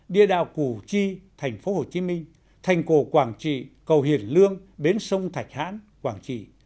địa đạo củ chi tp hcm thành cổ quảng trị cầu hiền lương bến sông thạch hãn quảng trị